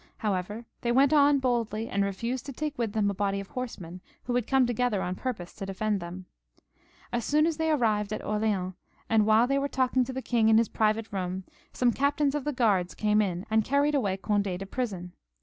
However, they went on boldly, and refused to take with them a body of horsemen who had come together on purpose to defend them. As soon as they arrived at Orleans, and while they were talking to the king in his private room, some captains of the guards came in and carried away Cond^ to prison.